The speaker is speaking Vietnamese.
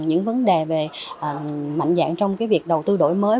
những vấn đề về mạnh dạng trong việc đầu tư đổi mới